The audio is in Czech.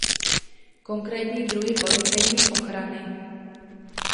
Konkrétní druhy policejní ochrany.